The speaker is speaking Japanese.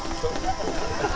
ハハハハ！